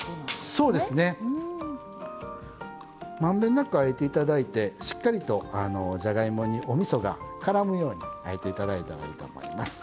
満遍なくあえて頂いてしっかりとじゃがいもにおみそが絡むようにあえて頂いたらいいと思います。